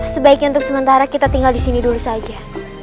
sebaiknya untuk sementara kita tinggal disini dulu saja